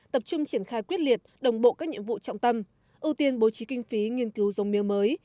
tập trung triển khai quyết liệt đồng bộ các nhiệm vụ trọng tâm ưu tiên bố trí kinh phí nghiên cứu dông mía mới